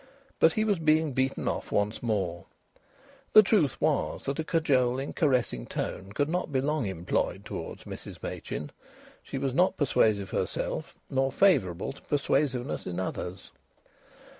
But he was being beaten off once more. The truth was that a cajoling, caressing tone could not be long employed towards Mrs Machin. She was not persuasive herself, nor favourable to persuasiveness in others.